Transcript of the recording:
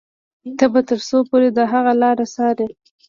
ته به تر څو پورې د هغه لارې څاري.